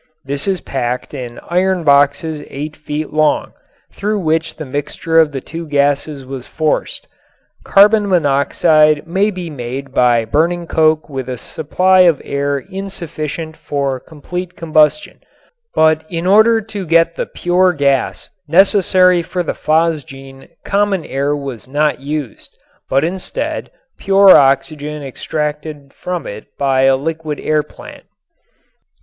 This is packed in iron boxes eight feet long, through which the mixture of the two gases was forced. Carbon monoxide may be made by burning coke with a supply of air insufficient for complete combustion, but in order to get the pure gas necessary for the phosgene common air was not used, but instead pure oxygen extracted from it by a liquid air plant.